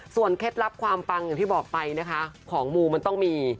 เคล็ดลับความปังอย่างที่บอกไปนะคะของมูมันต้องมี